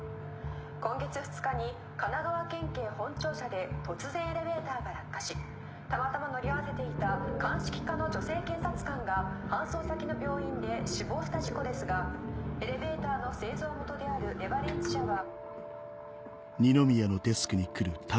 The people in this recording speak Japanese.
今月２日に神奈川県警本庁舎で突然エレベーターが落下したまたま乗り合わせていた鑑識課の女性警察官が搬送先の病院で死亡した事故ですがエレベーターの製造元であるレバレンツ社は。